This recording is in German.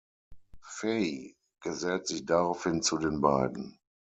Faye gesellt sich daraufhin zu den beiden.